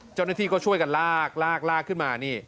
เจ้าหน้าที่ก็ช่วยกันลากลากขึ้นมานี่